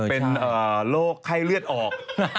เป็นโรคไข้เลือดออก